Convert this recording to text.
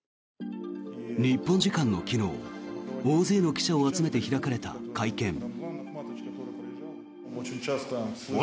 日本時間の昨日大勢の記者を集めて開かれた会見。